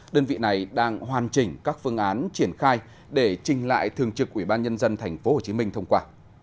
đơn vị này đang hoàn chỉnh các phương án triển khai để trình lại thường trực quỹ ban nhân dân thành phố hồ chí minh thông qua